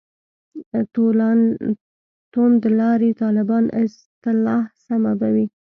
«توندلاري طالبان» اصطلاح سمه به وي.